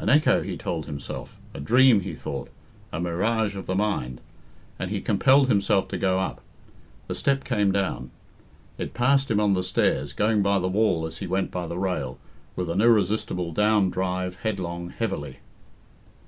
"An echo," he told himself. "A dream," he thought, "a mirage of the mind;" and he compelled himself to go up. The step came down. It passed him on the stairs, going by the wall as he went by the rail, with an irresistible down drive, headlong, heavily.